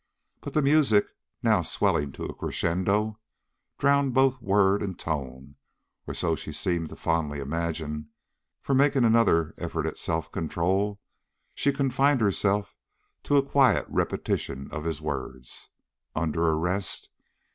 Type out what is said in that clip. But the music, now swelling to a crescendo, drowned both word and tone, or so she seemed to fondly imagine; for, making another effort at self control, she confined herself to a quiet repetition of his words, "'Under arrest'?"